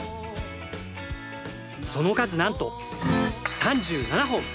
その数、なんと３７本。